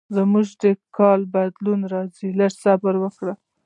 زه مې کالي بدلوم، راځم ته لږ صبر وکړه.